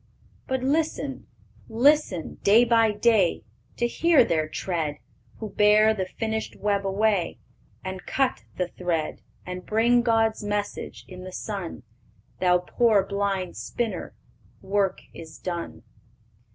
"But listen, listen, day by day, To hear their tread Who bear the finished web away, And cut the thread, And bring God's message in the sun, 'Thou poor blind spinner, work is done."